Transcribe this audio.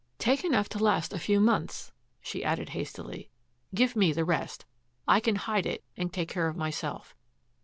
"Take enough to last a few months," she added hastily. "Give me the rest. I can hide it and take care of myself.